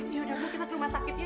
yaudah bu kita ke rumah sakit ya